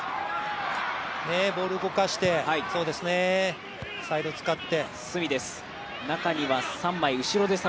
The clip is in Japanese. ボール動かして、サイド使って。